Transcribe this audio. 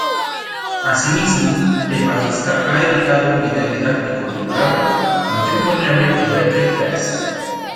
Asimismo, el bajista ha editado un vídeo didáctico titulado "Contemporary Electric Bass".